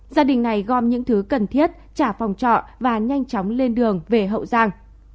gia đình này gom những thứ cần thiết trả phòng trọ và nhanh chóng lên đường về hậu giang